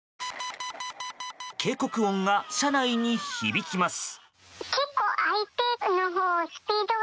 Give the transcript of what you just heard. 警告音が車内に響きます。